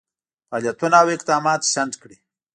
فعالیتونه او اقدامات شنډ کړي.